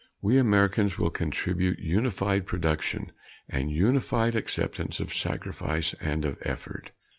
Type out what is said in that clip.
We Americans will contribute unified production and unified acceptance of sacrifice and of effort.